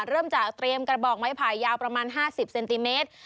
เริ่มจากเตรียมกระบอกไม้ไผ่ยาวประมาณ๕๐เซนติเมตร